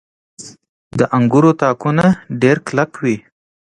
• د انګورو تاکونه ډېر کلک وي.